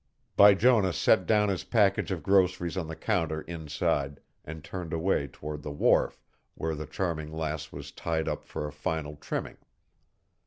Bijonah set down his package of groceries on the counter inside and turned away toward the wharf where the Charming Lass was tied up for a final trimming.